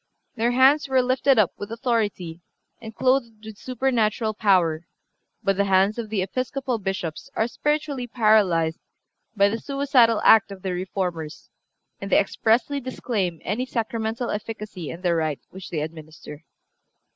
(365) Their hands were lifted up with authority and clothed with supernatural power; but the hands of the Episcopal Bishops are spiritually paralyzed by the suicidal act of the Reformers, and they expressly disclaim any sacramental efficacy in the rite which they administer.